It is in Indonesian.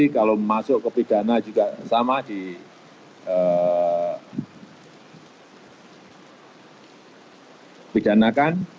kalau masuk ke pidana juga sama dipidanakan